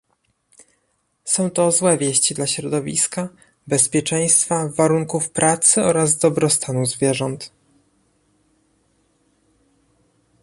Są to złe wieści dla środowiska, bezpieczeństwa, warunków pracy oraz dobrostanu zwierząt